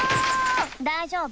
大丈夫？